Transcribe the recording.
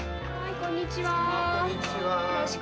こんにちは。